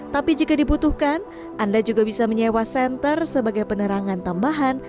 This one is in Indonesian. tapi jika dibutuhkan anda juga bisa menyewa senter sebagai penerangan tambahan